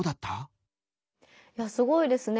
いやすごいですね。